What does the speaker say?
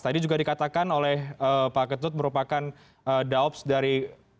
tadi juga dikatakan oleh pak ketut merupakan daops dari